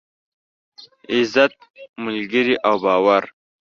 عزت، ملگري او باور.